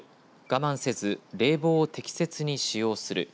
我慢せず冷房を適切に使用する。